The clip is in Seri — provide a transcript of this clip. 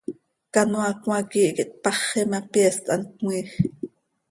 Canoaa cmaa quiih quih tpaxi ma, pyeest hant cömiij.